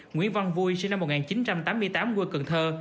nguyễn văn vui sinh năm một nghìn chín trăm tám mươi tám quê cần thơ